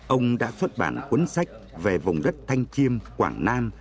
ông đã xuất bản cuốn sách về vùng đất thanh chiêm quảng nam